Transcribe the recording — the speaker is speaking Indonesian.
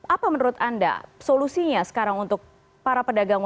apa menurut anda solusinya sekarang untuk para pedagang